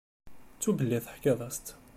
Ttu belli teḥkiḍ-as-tt.